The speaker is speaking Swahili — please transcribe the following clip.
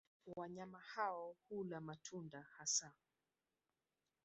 Wanyama hao hula matunda hasa.